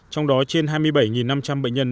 trong đó trên hai mươi bảy năm trăm linh bệnh nhân